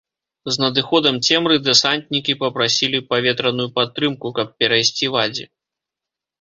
З надыходам цемры дэсантнікі папрасілі паветраную падтрымку, каб перайсці вадзі.